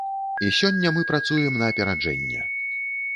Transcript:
І сёння мы працуем на апераджэнне.